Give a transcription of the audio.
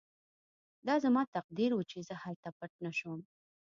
دا زما تقدیر و چې زه هلته پټ نه شوم